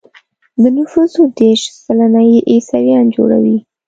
د نفوسو دېرش سلنه يې عیسویان جوړوي.